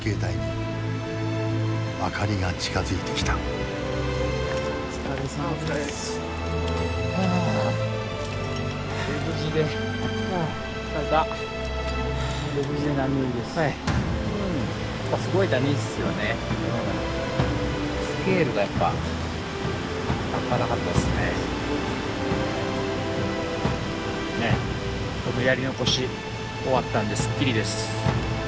やり残し終わったのですっきりです。